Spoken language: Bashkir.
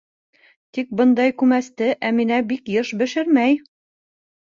Тик бындай күмәсте Әминә бик йыш бешермәй.